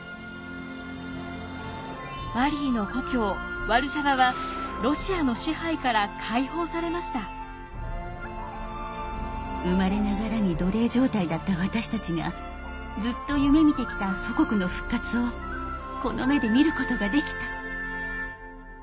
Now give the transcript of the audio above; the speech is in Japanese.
マリーの故郷ワルシャワは生まれながらに奴隷状態だった私たちがずっと夢みてきた祖国の復活をこの目で見ることができた。